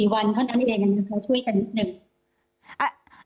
๑๔วันเท่านั้นเองนะคะช่วยกันนิดหนึ่ง